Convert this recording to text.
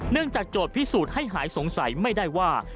จากโจทย์พิสูจน์ให้หายสงสัยไม่ได้ว่า